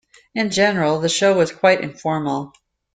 In general the show was quite informal.